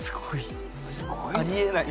すごい。あり得ない。